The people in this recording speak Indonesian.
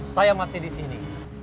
saya masih di sini